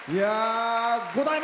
５代目